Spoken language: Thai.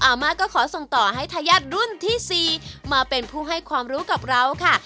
มาก็ขอส่งต่อให้ทายาทรุ่นที่๔มาเป็นผู้ให้ความรู้กับเราค่ะ